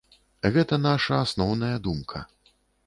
Гэта наша асноўная думка.